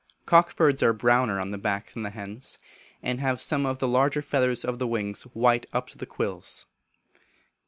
Cock birds are browner on the back than the hens, and have some of the large feathers of the wings white up to the quills.